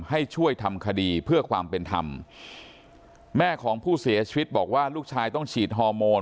ให้ช่วยทำคดีเพื่อความเป็นธรรมแม่ของผู้เสียชีวิตบอกว่าลูกชายต้องฉีดฮอร์โมน